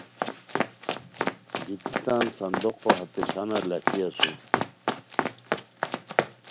گیتی تان صندوقو ہتے شانہ لاکھی اسور